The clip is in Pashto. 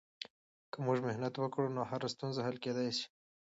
که موږ محنت وکړو، نو هره ستونزه حل کیدای سي.